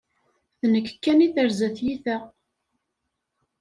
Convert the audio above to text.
D nekk kan i terza tyita!